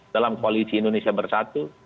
dalam koalisi indonesia bersatu